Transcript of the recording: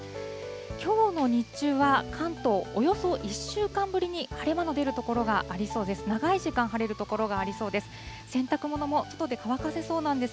きょうの日中は関東、およそ１週間ぶりに晴れ間の出る所がありそうです。